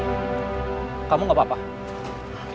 udah setengah mal nschein